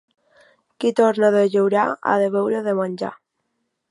Qui torna de llaurar ha de beure o de menjar.